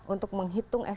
untuk menghitung estimasi